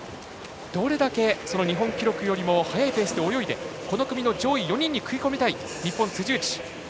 どれだけ、日本記録よりも速いペースで泳いでこの組の上位４人に食い込みたい日本の辻内。